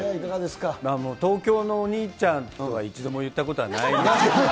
もう、東京のお兄ちゃんとは、一度も言ったことはないですね。